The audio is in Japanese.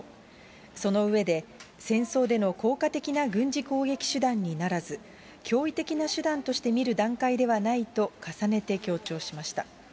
その上で、戦争での効果的な軍事攻撃手段にならず、脅威的な手段として見る段階ではないと重ねて強調しました。